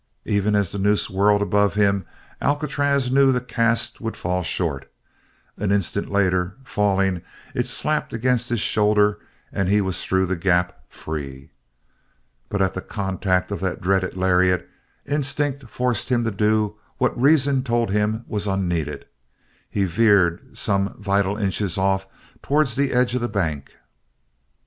Even as the noose whirled above him Alcatraz knew the cast would fall short. An instant later, falling, it slapped against his shoulder and he was through the gap free! But at the contact of that dreaded lariat instinct forced him to do what reason told him was unneeded he veered some vital inches off towards the edge of the bank.